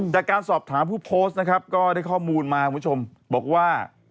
แต่การสอบถามผู้โพสต์นะครับก็ได้ข้อมูลมาบอกว่า